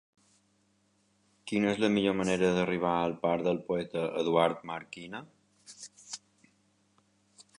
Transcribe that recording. Quina és la millor manera d'arribar al parc del Poeta Eduard Marquina?